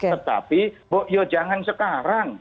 tetapi ya jangan sekarang